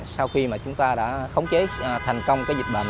sau khi mà chúng ta đã khống chế thành công